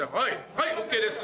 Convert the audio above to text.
はいＯＫです！